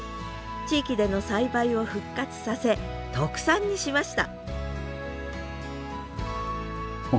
地域での栽培を復活させ特産にしました